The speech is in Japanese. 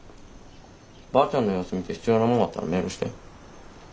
ばあちゃんの様子見て必要なものがあったらメールして。